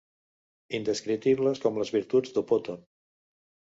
Indescriptibles com les virtuts d'Opòton.